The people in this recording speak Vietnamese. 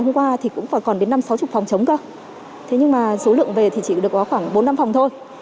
năm sáu mươi phòng chống cơ thế nhưng mà số lượng về thì chỉ được có khoảng bốn năm phòng thôi